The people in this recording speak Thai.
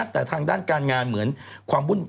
แต่ทางด้านการงานเหมือนความวุ่น